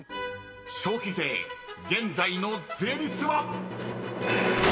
［消費税現在の税率は］